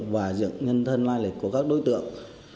và dựng nhân thân lai lịch của các đối tượng